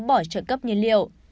bỏ trợ cấp nhiên liệu